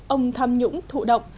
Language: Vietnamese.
ông tham nhũng thụ động